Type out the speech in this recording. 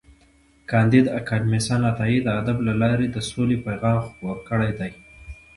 کانديد اکاډميسن عطايي د ادب له لارې د سولې پیغام خپور کړی دی.